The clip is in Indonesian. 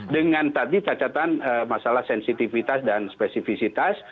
dengan tadi cacatan masalah sensitivitas dan spesifisitas